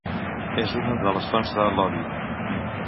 És una de les fonts de l'Obi.